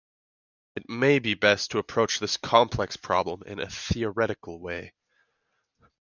It may be best to approach this complex problem in a theoretical way.